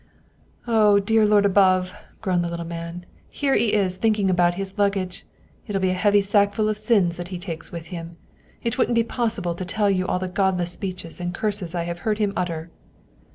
" Oh, dear Lord above !" groaned the little man. " Here he is thinking about his luggage. It'll be a heavy sackful of sins that he takes with him. It wouldn't be possible to tell you all the godless speeches and curses I have heard him utter."